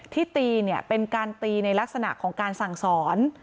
ที่ตีเนี่ยเป็นการตีในลักษณะของการสั่งสอน